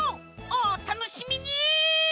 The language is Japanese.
おたのしみに！